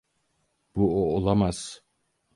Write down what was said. Bu o olamaz.